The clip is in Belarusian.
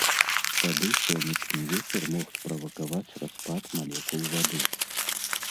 Тады сонечны вецер мог справакаваць распад малекул вады.